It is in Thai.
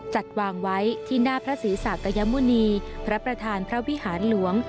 จัดวางไว้ที่หน้าพระศรีศักยมุณีพระประธานพระวิหารหลวง